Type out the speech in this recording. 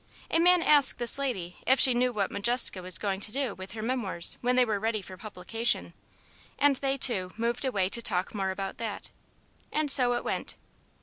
A man asked this lady if she knew what Modjeska was going to do with her Memoirs when they were ready for publication; and they two moved away to talk more about that. And so it went.